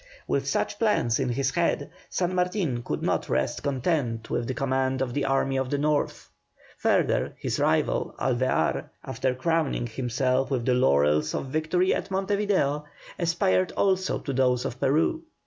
With such plans in his head, San Martin could not rest content with the command of the Army of the North. Further, his rival, Alvear, after crowning himself with the laurels of victory at Monte Video, aspired also to those of Peru.